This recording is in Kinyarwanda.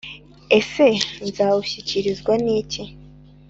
ese nzawushyikirizwe n’iki,